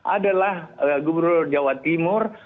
adalah gubernur jawa timur